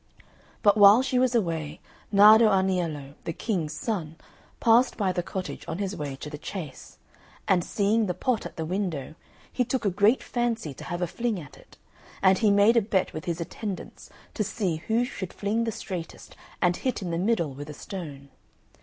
But while she was away, Nardo Aniello, the King's son, passed by the cottage on his way to the chase; and, seeing the pot at the window, he took a great fancy to have a fling at it; and he made a bet with his attendants to see who should fling the straightest and hit in the middle with a stone.